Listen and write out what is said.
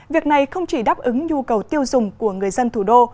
việc này không chỉ đáp ứng nhu cầu tiêu dùng của người dân thủ đô